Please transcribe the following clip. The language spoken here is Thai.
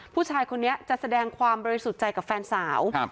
ผู้ชายคนนี้จะแสดงความบริสุทธิ์ใจกับแฟนสาว